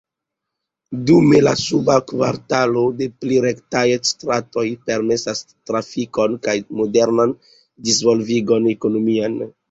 Dume la suba kvartalo de pli rektaj stratoj permesas trafikon kaj modernan disvolvigon ekonomian.